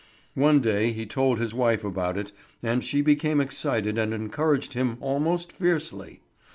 One day he told his wife about it, and she became excited and encouraged him almost fiercely.